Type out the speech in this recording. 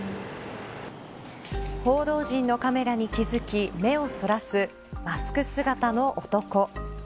報道陣のカメラに気付き目をそらすマスク姿の男。